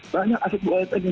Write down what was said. banyak aset aset yang